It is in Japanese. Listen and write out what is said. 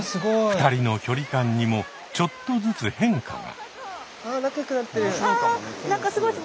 ２人の距離感にもちょっとずつ変化が。